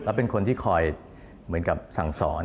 และเป็นคนที่คอยเหมือนกับศังสร